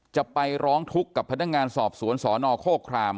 จะไปร้องทุกข์กับพนักงานสอบสวนสนโคคราม